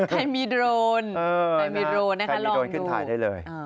ใครมีโดรนนะคะเราก็ดู